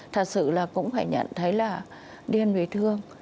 thật sự là cũng phải nhận thấy là điên bị thương